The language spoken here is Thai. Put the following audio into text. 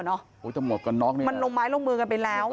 โอ๊ยจะหมดกันน๊อคนี่แหละะมันลงมาล์ไตล์ลงมือกันไปแล้ว